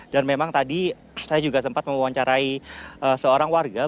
dan memang tadi saya juga sempat mewawancarai seorang warga begitu